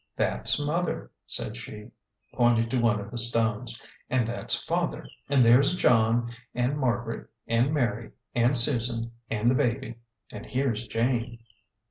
" That's mother," said she, pointing to one of the stones, " an' that's father, an' there's John, an' Marg'ret, an' Mary, an' Susan, an' the baby, and here's Jane."